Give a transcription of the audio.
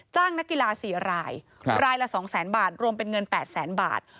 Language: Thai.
จ้างนักกีฬาสี่รายครับรายละสองแสนบาทรวมเป็นเงินแปดแสนบาท